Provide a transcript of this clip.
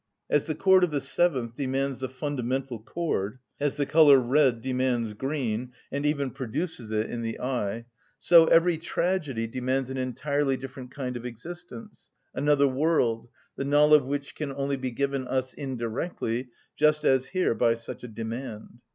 As the chord of the seventh demands the fundamental chord; as the colour red demands green, and even produces it in the eye; so every tragedy demands an entirely different kind of existence, another world, the knowledge of which can only be given us indirectly just as here by such a demand.